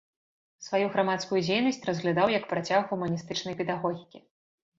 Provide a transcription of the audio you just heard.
Сваю грамадскую дзейнасць разглядаў як працяг гуманістычнай педагогікі.